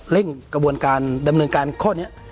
กระบวนการดำเนินการข้อนี้